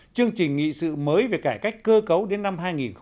chương trình nghị sự mới về cải cách cơ cấu đến năm hai nghìn ba mươi